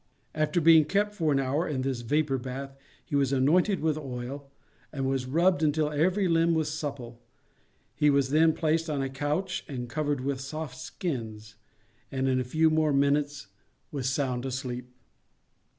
After being kept for an hour in this vapour bath, he was annointed with oil, and was rubbed until every limb was supple, he was then placed on a couch and covered with soft skins, and in a few more minutes was sound asleep.